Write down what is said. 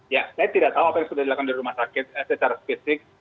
ya saya tidak tahu apa yang sudah dilakukan di rumah sakit secara spesifik